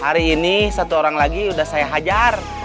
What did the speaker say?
hari ini satu orang lagi sudah saya hajar